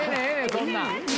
そんなん。